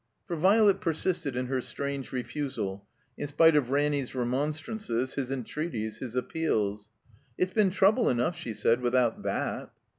For Violet persisted in her strange refusal, in spite of Ranny's remonstrances, his entreaties, his appeals. "It's been trouble enough," she said, "without that."